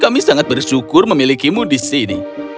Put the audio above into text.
kami sangat bersyukur memilikimu di sini